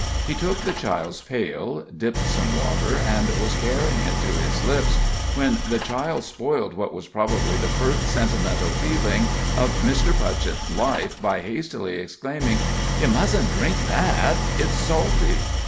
He took the child's pail, dipped some water, and was carrying it to his lips, when the child spoiled what was probably the first sentimental feeling of Mr. Putchett's life by hastily exclaiming: "You mustn't drink that it's salty!"